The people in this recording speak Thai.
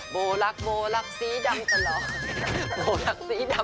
โบรักษ์สีดำตะหรอ